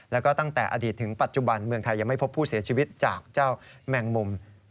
แล้วก็ตั้งแต่อดีตถึงปัจจุบันเมืองไทยยังไม่พบผู้เสียชีวิตจากเจ้าแมงมุม